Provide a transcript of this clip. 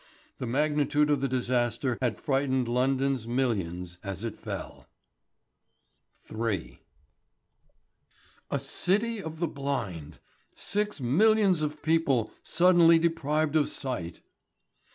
The magnitude of the disaster had frightened London's millions as it fell. III. A city of the blind! Six millions of people suddenly deprived of sight!